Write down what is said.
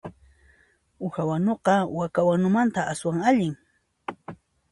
Uha wanuqa waka wanumanta aswan allin.